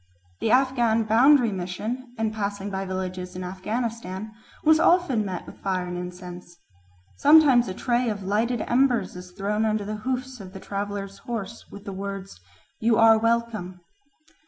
The Afghan Boundary Mission, in passing by villages in Afghanistan, was often met with fire and incense. Sometimes a tray of lighted embers is thrown under the hoofs of the traveller's horse, with the words, "You are welcome."